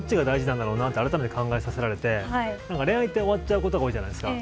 なんだろうなとあらためて考えさせられて恋愛って終わっちゃうことが多いじゃないですか。